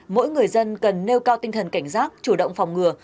mỗi người dân cần nêu cao tinh thần cảnh giác chủ động phòng ngừa